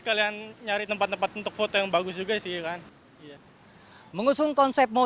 karena bisa dilakukan di jepang